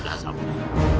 memang esok aku akan reda